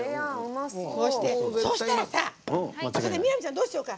そしたらさ、美波ちゃんどうしようか。